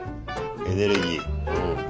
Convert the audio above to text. エネルギーうん。